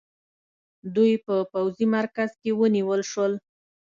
دوی په پوځي مرکز کې ونیول شول.